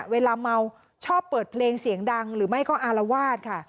เวลาเมาชอบเปิดเพลงเสียงดังหรือไม่ก็อารวาสค่ะ